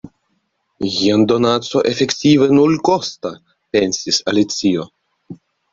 "Jen donaco efektive nulkosta!" pensis Alicio.